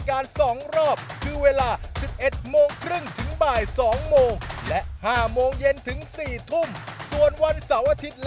อันนั้นเป็นคอนเซ็ปต์ครับผม